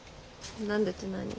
「何で」って何？